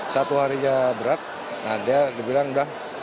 satu harinya berat dia bilang udah